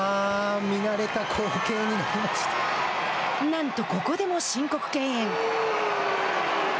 なんとここでも申告敬遠。